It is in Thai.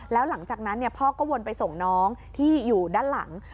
แล้วหลังจากนั้นพ่อก็วนไปส่งน้องที่อยู่ด้านหลัง